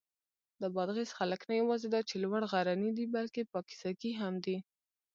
د بادغیس خلک نه یواځې دا چې لوړ غرني دي، بلکې پاکیزګي هم دي.